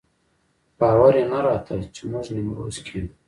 باور یې نه راته چې موږ نیمروز کې یو.